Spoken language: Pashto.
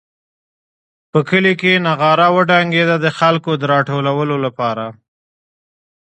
په کلي کې نغاره وډنګېده د خلکو د راټولولو لپاره.